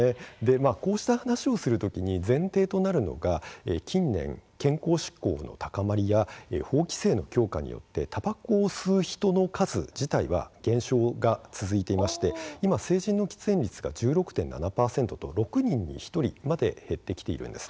こうした話をするときに前提となるのが近年、健康志向の高まりや法規制の強化によってたばこを吸う人の数自体は減少が続いていまして今、成人の喫煙率は１６．７％と６人に１人まで減ってきているんです。